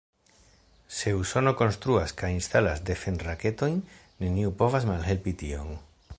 Se Usono konstruas kaj instalas defend-raketojn, neniu povas malhelpi tion.